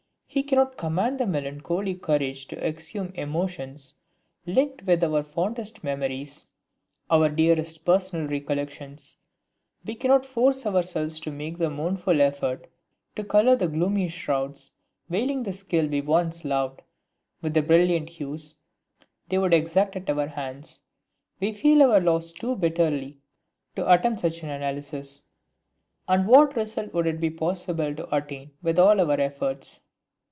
We cannot command the melancholy courage to exhume emotions linked with our fondest memories, our dearest personal recollections; we cannot force ourselves to make the mournful effort to color the gloomy shrouds, veiling the skill we once loved, with the brilliant hues they would exact at our hands. We feel our loss too bitterly to attempt such an analysis. And what result would it be possible to attain with all our efforts!